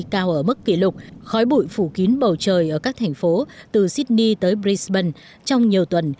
cao ở mức kỷ lục khói bụi phủ kín bầu trời ở các thành phố từ sydney tới brisbane trong nhiều tuần